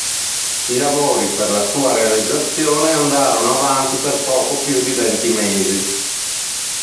I lavori per la sua realizzazione andarono avanti per poco più di venti mesi.